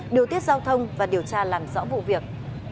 điều tiết giao thông và điều tra làm rõ vụ việc